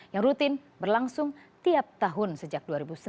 yang rutin berlangsung tiap tahun sejak dua ribu sebelas